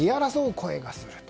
声がすると。